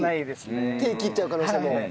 手切っちゃう可能性も。